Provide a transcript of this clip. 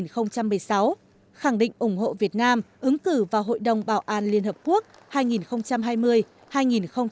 khẳng định ủng hộ việt nam ứng cử vào hội đồng bảo an liên hợp quốc hai nghìn hai mươi hai nghìn hai mươi một